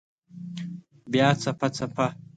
بیا څپه، څپه